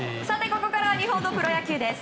ここからは日本のプロ野球です。